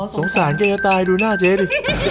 สงสารแกตายดูหน้าเจ๊ดิ